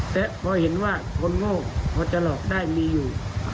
แต่พอเห็นว่าคนโง่พอจะหลอกได้มีอยู่